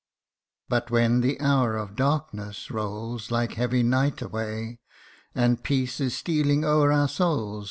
But when the hour of darkness rolls Like heavy night away ; And peace is stealing o'er our souls.